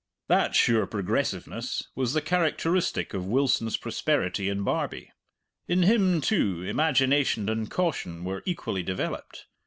That sure progressiveness was the characteristic of Wilson's prosperity in Barbie. In him, too, imagination and caution were equally developed.